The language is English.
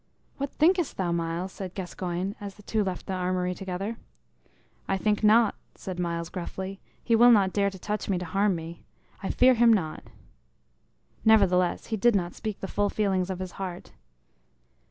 "What thinkest thou, Myles?" said Gascoyne, as the two left the armory together. "I think naught," said Myles gruffly. "He will not dare to touch me to harm me. I fear him not." Nevertheless, he did not speak the full feelings of his heart.